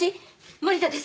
森田です。